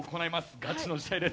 ガチの試合です。